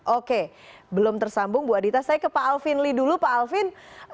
oke belum tersambung bu adita saya ke pak alvin lee dulu pak alvin